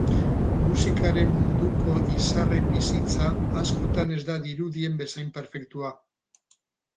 Musikaren munduko izarren bizitza askotan ez da dirudien bezain perfektua.